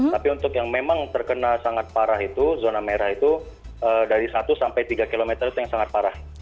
tapi untuk yang memang terkena sangat parah itu zona merah itu dari satu sampai tiga km itu yang sangat parah